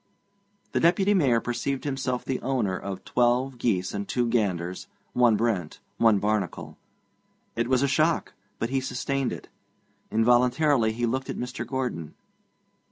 The Deputy Mayor perceived himself the owner of twelve geese and two ganders one Brent, one Barnacle. It was a shock, but he sustained it. Involuntarily he looked at Mr. Gordon.